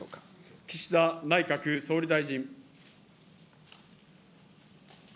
岸田内閣総理大臣。